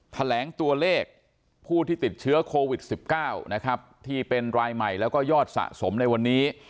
แถลงตัวเลขผู้ที่ติดเชื้อโควิด๑๙นะครับที่เป็นรายใหม่แล้วก็ยอดสะสมในวันนี้